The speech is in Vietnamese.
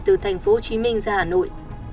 từ tp hcm ra hà nội